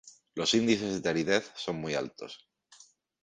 Los índices de aridez son muy altos.